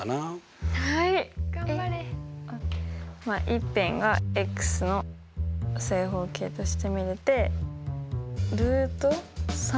一辺がの正方形として入れて。